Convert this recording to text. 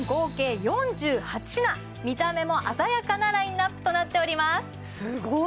見た目も鮮やかなラインナップとなっておりますすごい！